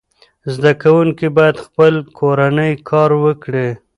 زده کوونکي باید خپل کورنی کار وکړي.